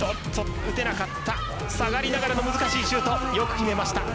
下がりながらの難しいシュートよく決めました。